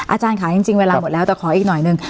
อาจารย์ค่ะจริงเวลาหมดแล้วแต่ขออีกหน่อยหนึ่ง